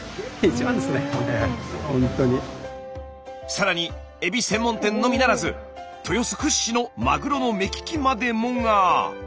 さらにエビ専門店のみならず豊洲屈指のまぐろの目利きまでもが。